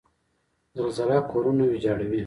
زلزله کورونه ویجاړوي.